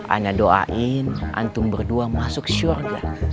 ana doain antum berdua masuk surga